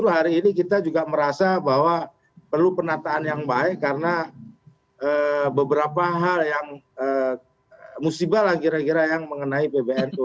hari ini kita juga merasa bahwa perlu penataan yang baik karena beberapa hal yang musibah lah kira kira yang mengenai pbnu